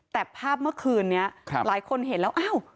แต่ภาพเมื่อคืนนี้หลายคนเห็นแล้วอ้าว